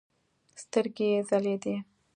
سترګې يې ځلېدې.